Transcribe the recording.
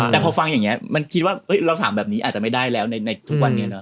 แต่พอฟังอย่างนี้มันคิดว่าเราถามแบบนี้อาจจะไม่ได้แล้วในทุกวันนี้เนาะ